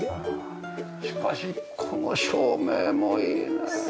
しかしこの照明もいいね。